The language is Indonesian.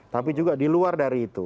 tapi juga di luar dari itu